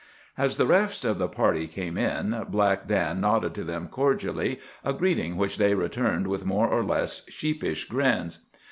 As the rest of the party came in Black Dan nodded to them cordially, a greeting which they returned with more or less sheepish grins.